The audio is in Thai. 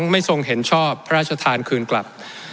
ไม่ทรงเห็นชอบพระราชทานคืนกลับ